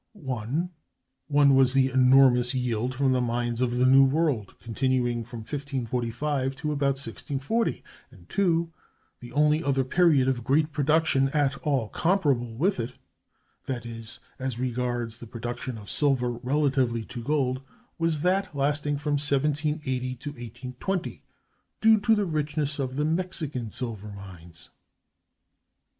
(1) One was the enormous yield from the mines of the New World, continuing from 1545 to about 1640, and (2) the only other period of great production at all comparable with it (that is, as regards the production of silver relatively to gold) was that lasting from 1780 to 1820, due to the richness of the Mexican silver mines.